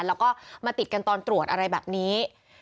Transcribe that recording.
แล้วก็มาติดกันตอนตรวจอะไรแบบนี้